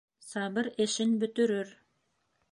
Сабыр эшен бөтөрөр